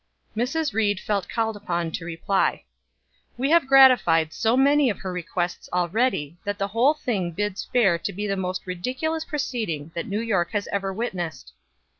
Mrs. Ried felt called upon to reply. "We have gratified so many of her requests already that the whole thing bids fair to be the most ridiculous proceeding that New York has ever witnessed.